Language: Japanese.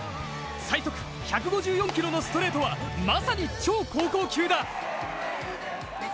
最速１５４キロのストレートはまさに超高校級だ。